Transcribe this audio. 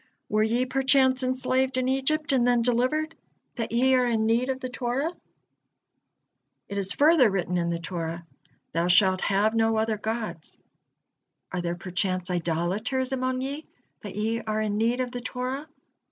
Were ye perchance enslaved in Egypt and then delivered, that ye are in need of the Torah? It is further written in the Torah: 'Thou shalt have no other gods.' Are there perchance idolaters among ye, that ye are in need of the Torah?